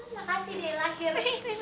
makasih deh lahir